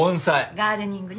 ガーデニングね。